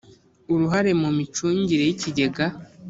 uruhare mu micungire y ikigega